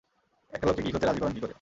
একটা লোককে গিক হতে রাজি করান কী করে?